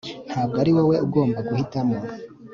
ntabwo ari wowe ugomba guhitamo